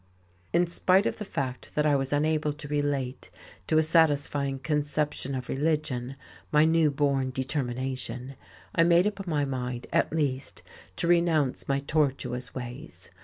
In spite of the fact that I was unable to relate to a satisfying conception of religion my new born determination, I made up my mind, at least, to renounce my tortuous ways.